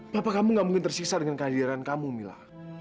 papa kamu gak mungkin tersisa dengan kehadiran kamu mila